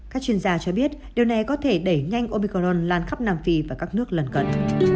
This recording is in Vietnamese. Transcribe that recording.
các chuyên gia cho biết điều này có thể đẩy nhanh obicron lan khắp nam phi và các nước lần cận